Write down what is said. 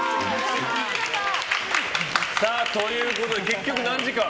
結局、何時間？